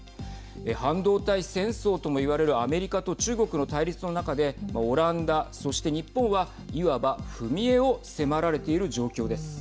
半導体戦争とも言われるアメリカと中国の対立の中でオランダ、そして日本はいわば踏み絵を迫られている状況です。